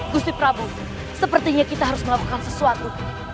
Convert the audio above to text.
gusti prabu sepertinya kita harus melakukan sesuatu